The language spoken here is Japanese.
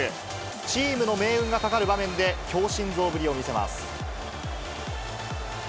チームの命運がかかる場面で強心臓ぶりを見せます。